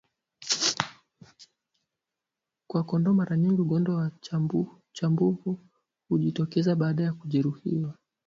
Kwa kondoo mara nyingi ugonjwa wa chambavu hujitokeza baada ya kujeruhuhiwa